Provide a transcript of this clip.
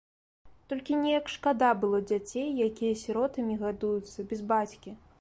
Толькі неяк шкада было дзяцей, якія сіротамі гадуюцца, без бацькі.